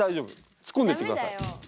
突っ込んでいってください。